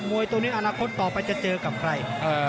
วยตัวนี้อนาคตต่อไปจะเจอกับใคร